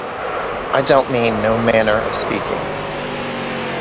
I don't mean no manner of speaking.